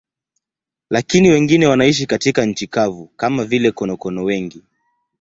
Lakini wengine wanaishi katika nchi kavu, kama vile konokono wengi.